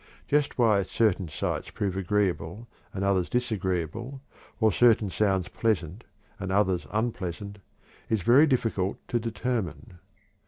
Just why certain sights prove agreeable and others disagreeable, or certain sounds pleasant and others unpleasant, is very difficult to determine.